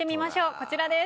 こちらです。